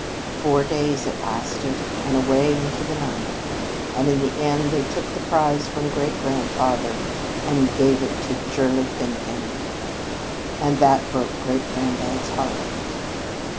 Four days it lasted, and away into the night; and in the end they took the prize from great grandfather and gave it to Gerlie Finnegan. And that broke great granddad's heart."